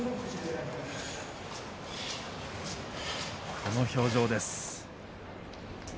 この表情です。